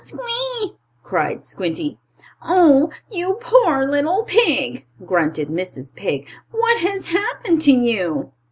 Squee!" cried Squinty. "Oh, you poor little pig!" grunted Mrs. Pig. "What has happened to you?"